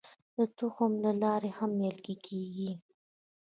د تخم له لارې هم نیالګي کیږي.